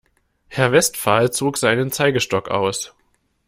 Herr Westphal zog seinen Zeigestock aus.